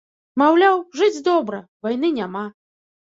Маўляў, жыць добра, вайны няма.